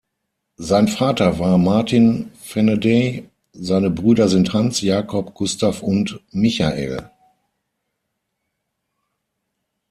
Sein Vater war Martin Venedey, seine Brüder sind Hans, Jakob, Gustav und Michael.